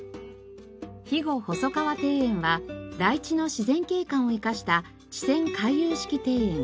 肥後細川庭園は台地の自然景観を生かした池泉回遊式庭園。